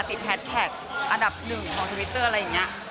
แฮสแท็กอันดับหนึ่งของทวิตเตอร์อะไรอย่างนี้